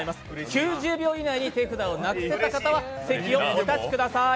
９０秒以内に手札をなくせた方は席をお立ちください。